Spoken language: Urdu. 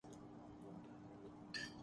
پھر ایک سے زیادہ مرتبہ باوردی حکومتیں۔